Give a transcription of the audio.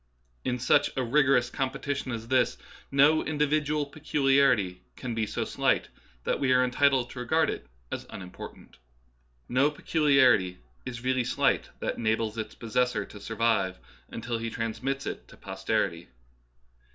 In such a rigorous competition Darwinism Verified, 15 as this, no individual peculiarity can be so slight that we are entitled to regard it as unimportant. No peculiarity is really slight that enables its possessor to survive until he transmits it to pos terity.